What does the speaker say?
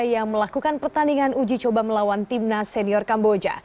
yang melakukan pertandingan uji coba melawan timnas senior kamboja